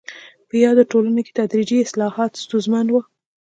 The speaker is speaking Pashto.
په یادو ټولنو کې تدریجي اصلاحات ستونزمن وو.